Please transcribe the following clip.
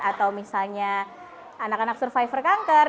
atau misalnya anak anak survivor kanker